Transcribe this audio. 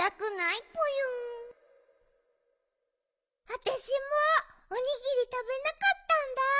あたしもおにぎりたべなかったんだ。